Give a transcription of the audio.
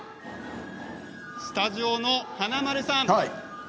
スタジオの華丸さん